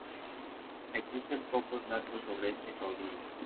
Existen pocos datos sobre este caudillo.